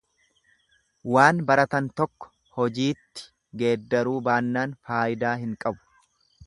Waan baratan tokko hojiitti geeddaruu baannaan faayidaa hin qabu.